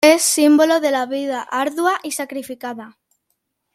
Es símbolo de la vida ardua y sacrificada.